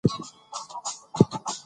اقتصادي خبرونه واورئ.